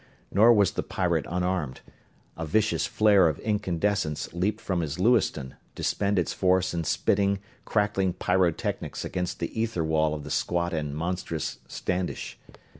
Nor was the pirate unarmed a vicious flare of incandescence leaped from his Lewiston, to spend its force in spitting, crackling pyrotechnics against the ether wall of the squat and monstrous Standish.